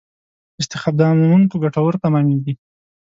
استخداموونکو ګټور تمامېږي.